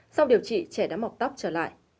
sau điều trị trẻ đã mọc tóc trở lại